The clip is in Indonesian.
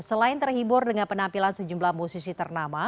selain terhibur dengan penampilan sejumlah musisi ternama